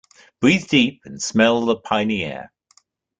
Breathe deep and smell the piny air.